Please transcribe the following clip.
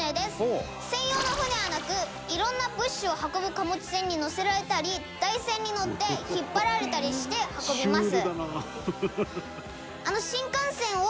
「専用の船はなく色んな物資を運ぶ貨物船に載せられたり台船に載って引っ張られたりして運びます」